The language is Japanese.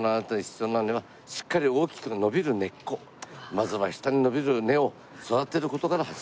「まずは下に伸びる根を育てる事から始めましょう」